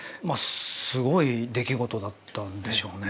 すごい出来事だったんでしょうね？